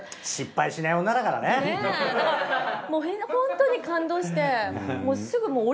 だからホントに感動して。